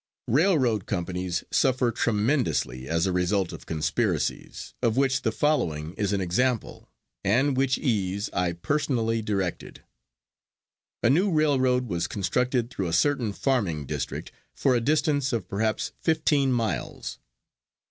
Railroad companies suffer tremendously as a result of conspiracies, of which the following is an example, and which ease I personally directed: A new railroad was constructed through a certain farming district, for a distance of perhaps fifteen miles.